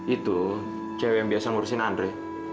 itu cewek yang biasa ngurusin andre